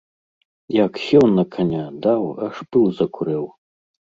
Як сеў на каня, даў, аж пыл закурэў!